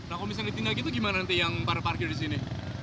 nah kalau misalnya ditinggal gitu gimana nanti yang pada parkir di sini